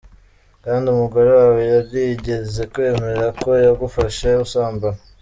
Kandi umugore wawe yarigeze kwemera ko yagufashe usambana?.